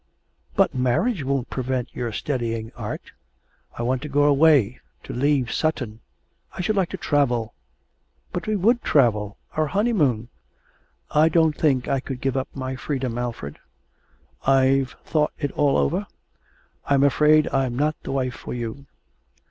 'But marriage won't prevent your studying art.' 'I want to go away, to leave Sutton. I should like to travel.' 'But we should travel our honeymoon.' 'I don't think I could give up my freedom, Alfred; I've thought it all over. I'm afraid I'm not the wife for you.'